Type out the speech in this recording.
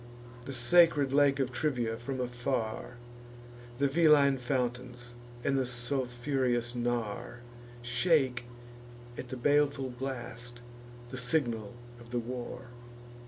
The sacred lake of Trivia from afar, The Veline fountains, and sulphureous Nar, Shake at the baleful blast, the signal of the war.